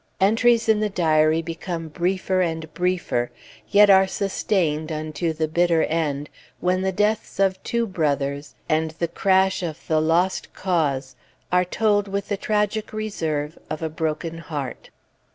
Entries in the Diary become briefer and briefer, yet are sustained unto the bitter end, when the deaths of two brothers, and the crash of the Lost Cause, are told with the tragic reserve of a broken heart.